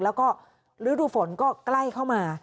แล้วก็ฤดูฝนก็ใกล้เข้ามา